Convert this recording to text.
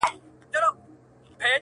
ترخه د طعن به غوځار کړي هله,